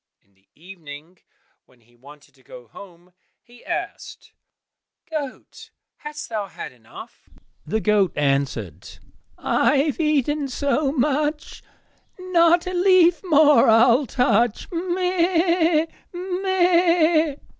In the evening when he wanted to go home, he asked, "Goat, hast thou had enough?" The goat answered, "I have eaten so much, Not a leaf more I'll touch, meh!